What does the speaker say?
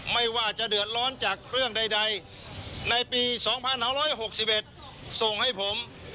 ไม่ว่าจะเดือดร้อนจากเรื่องใดในปี๒๕๖๑ส่งให้ผม